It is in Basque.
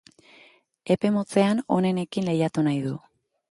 Epe motzean onenekin lehiatu nahi du.